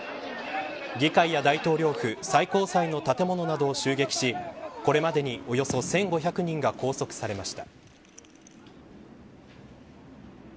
議会や大統領府、最高裁の建物などを襲撃しこれまでにおよそ１５００人が拘束されました。